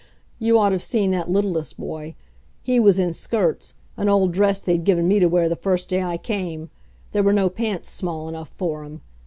ha! you ought have seen that littlest boy. He was in skirts, an old dress they'd given me to wear the first day I came; there were no pants small enough for him.